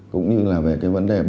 cũng như là về cái vấn đề bảo mật